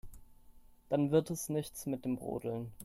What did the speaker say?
Dann wird es nichts mit dem Rodeln.